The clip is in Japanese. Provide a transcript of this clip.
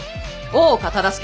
大岡忠相。